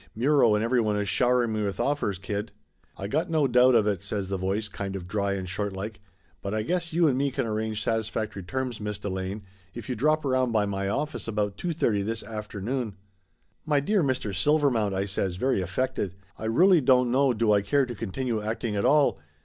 Mtiro and everyone is showering me with offers, kid !" "1 got no doubt of it," says the voice, kind of dry and shortlike. "But I guess you and me can arrange satisfactory terms, Miss Delane, if you drop around by my office about 2 : 30 this afternoon." "My dear Mr. Silvermount!" I says, very affected. "I rully don't know do I care to continue acting at all